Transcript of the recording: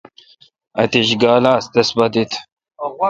اتییش گال آس تس پہ دت۔